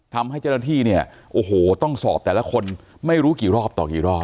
ทำให้เจ้าหน้าที่เนี่ยโอ้โหต้องสอบแต่ละคนไม่รู้กี่รอบต่อกี่รอบ